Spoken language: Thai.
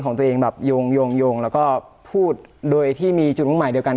ของตัวเองแบบโยงแล้วก็พูดโดยที่มีจุดมุ่งหมายเดียวกัน